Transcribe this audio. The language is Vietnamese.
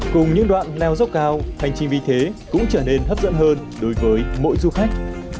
cùng những đoạn leo dốc cao hành trình vì thế cũng trở nên hấp dẫn hơn đối với mỗi du khách